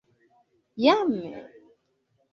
Jam?